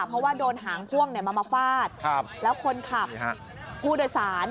เพราะว่าโดนหางพ่วงมาฟาดแล้วคนขับผู้โดยสาร